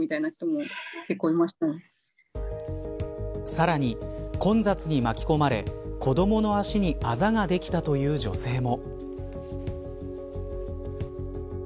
さらに混雑に巻き込まれ子どもの足にあざができたという女性も。